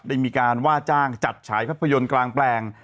ได้มีการว่าจ้างจัดฉายภาพยนตร์กลางแปลง